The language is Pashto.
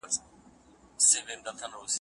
ناسته ده،